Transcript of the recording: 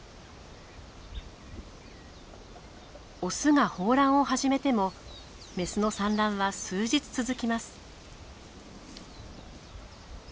オスが抱卵を始めてもメスの産卵は数日続きます。